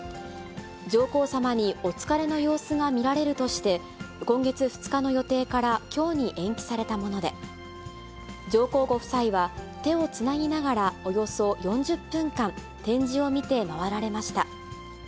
上皇さまにお疲れの様子が見られるとして、今月２日の予定からきょうに延期されたもので、上皇ご夫妻は手をつなぎながらおよそ４０分間、展示を見て回られました。